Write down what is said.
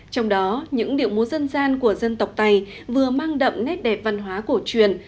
trong đó những điệu múa dân gian của dân tộc tày vừa mang đậm nét đẹp văn hóa cổ truyền